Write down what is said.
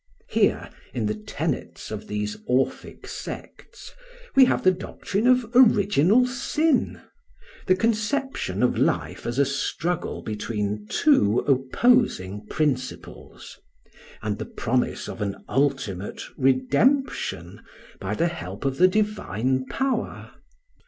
Here, in the tenets of these orphic sects, we have the doctrine of "original sin," the conception of life as a struggle between two opposing principles, and the promise of an ultimate redemption by the help of the divine power.